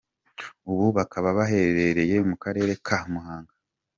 Ubu bakaba bahereye mu Karere ka Muhanga.